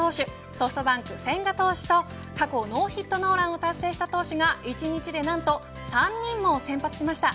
ソフトバンク千賀投手と過去ノーヒットノーランを達成した投手が一日でなんと、３人も先発しました。